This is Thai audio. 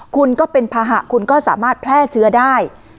คุณก็เป็นภาหะคุณก็สามารถแพร่เชื้อได้